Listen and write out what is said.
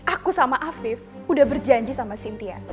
aku sama afiq udah berjanji sama sintia